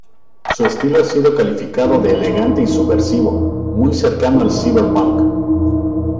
Su estilo ha sido calificado de elegante y subversivo, muy cercano al "ciberpunk".